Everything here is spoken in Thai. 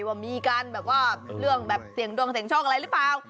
ว่ามีเรื่องแบบเสียงดวงเสียงช่องอะไรหรือเปล่า